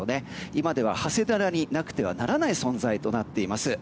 今では長谷寺になくてはならない存在となっています。